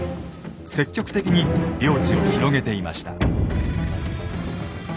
積極的に領地を広げていました。